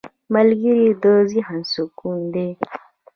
ملګری د ذهن سکون دی